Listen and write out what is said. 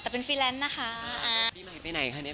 ปีใหม่